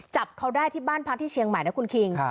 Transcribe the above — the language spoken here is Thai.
จับเขาได้ที่บ้านพักที่เชียงใหม่นะคุณคิง